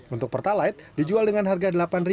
untuk pertalite dijual dengan harga delapan dua ratus